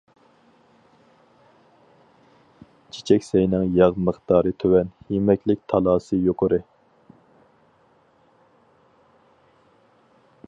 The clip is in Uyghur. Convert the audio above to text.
چېچەكسەينىڭ ياغ مىقدارى تۆۋەن، يېمەكلىك تالاسى يۇقىرى.